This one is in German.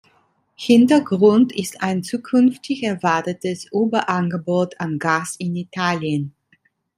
Hintergrund ist ein zukünftig erwartetes Überangebot an Gas in Italien.